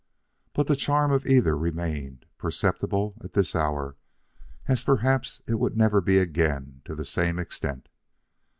But the charm of either remained perceptible at this hour as perhaps it would never be again to the same extent.